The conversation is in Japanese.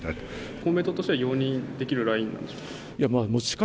公明党としては、容認できるラインなんでしょうか。